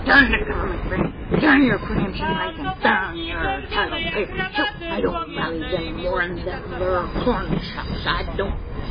Durn the government grant! durn your pre emption right! an' durn yur title papers too! I don't valley them more'n them thur corn shucks I don't.